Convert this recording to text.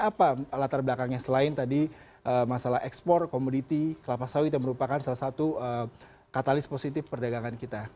apa latar belakangnya selain tadi masalah ekspor komoditi kelapa sawit yang merupakan salah satu katalis positif perdagangan kita